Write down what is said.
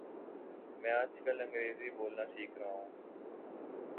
میں آج کل انگریزی بولنا سیکھ رہا ہوں